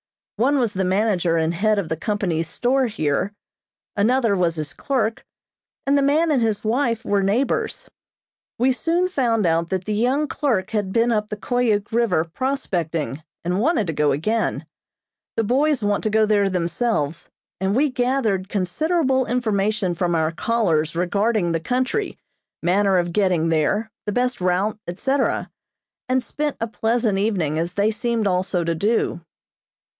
One was the manager and head of the company's store here, another was his clerk, and the man and his wife were neighbors. We soon found out that the young clerk had been up the Koyuk River prospecting, and wanted to go again. The boys want to go there themselves, and we gathered considerable information from our callers regarding the country, manner of getting there, the best route, etc., and spent a pleasant evening, as they seemed also to do.